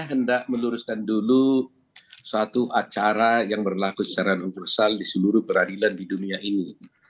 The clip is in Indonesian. hendak meluruskan dulu suatu acara yang berlaku secara universal di seluruh peradilan di dunia ini